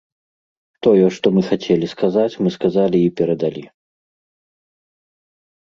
Тое, што мы хацелі сказаць, мы сказалі і перадалі.